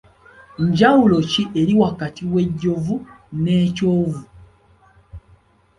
Njawulo ki eri wakati w’ejjovu n’ekyovu?